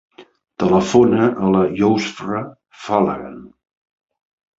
Telefona a la Yousra Falagan.